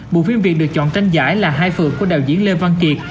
bộ phim việt được chọn tranh giải là hai phượt của đạo diễn lê văn kiệt